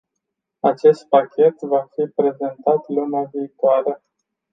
Acest pachet va fi prezentat luna viitoare.